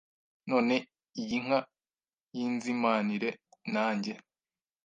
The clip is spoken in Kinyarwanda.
none iyi nka yinzimanire nanjye